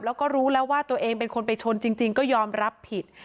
แล้วก็รู้แล้วว่าตัวเองเป็นคนไปชนจริงก็ยอมรับผิด